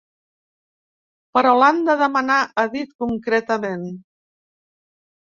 Però l’han de demanar, ha dit, concretament.